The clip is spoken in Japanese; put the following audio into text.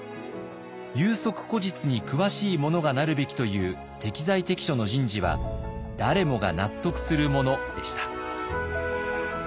有職故実に詳しい者がなるべきという適材適所の人事は誰もが納得するものでした。